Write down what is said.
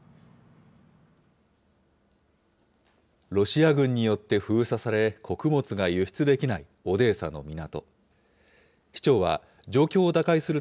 ロシア軍によって封鎖され、穀物が輸出できないオデーサの港。